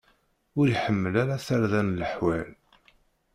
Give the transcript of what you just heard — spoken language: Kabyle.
Ur iḥemmel ara tarda n leḥwal.